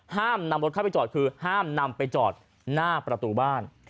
ห้ามนำรถเข้าไปจอดคือห้ามนำไปจอดหน้าประตูบ้าน